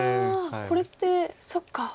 これってそっか。